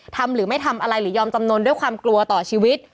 หรือไม่ทำอะไรหรือยอมจำนวนด้วยความกลัวต่อชีวิต